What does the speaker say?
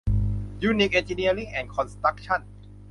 ยูนิค เอ็นจิเนียริ่ง แอนด์ คอนสตรัคชั่น